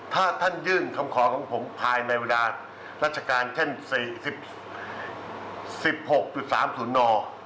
ถ้าท่านยื่นคำขอของผมภายในเวลาราชการเช่น๔๑๖๓๐น